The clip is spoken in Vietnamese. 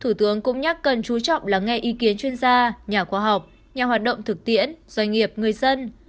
thủ tướng cũng nhắc cần chú trọng lắng nghe ý kiến chuyên gia nhà khoa học nhà hoạt động thực tiễn doanh nghiệp người dân